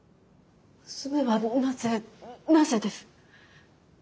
娘はなぜなぜです？